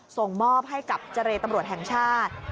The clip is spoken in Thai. ส่งมอบให้กับเจรตำรวจแห่งชาติ